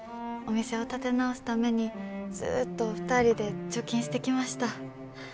お店を建て直すためにずっと２人で貯金してきました。